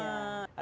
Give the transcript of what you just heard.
nah itu dia